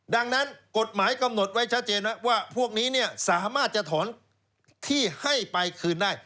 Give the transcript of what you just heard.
ดังนั้นกฎหมายกำหนดไว้ชัดเจนว่าพวกนี้สามารถจะถอนที่ให้ไปคืนได้